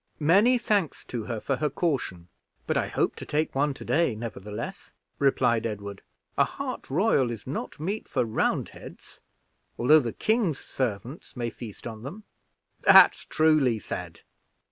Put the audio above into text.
"Many thanks to her for her caution, but I hope to take one to day, nevertheless," replied Edward; "a hart royal is not meat for Roundheads, although the king's servants may feast on them." "That's truly said.